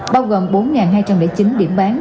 bao gồm bốn hai trăm linh chín điểm bán